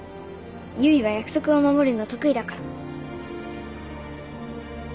唯は約束を守るの得意だから。